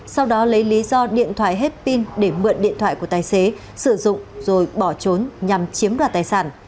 sau đó lấy lý do điện thoại hết pin để mượn điện thoại của tài xế sử dụng rồi bỏ trốn nhằm chiếm đoạt tài sản